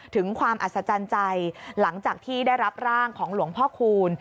ถึงความอัศจรรย์ใจหลังจากที่ได้รับร่างของหลวงพ่อคูณ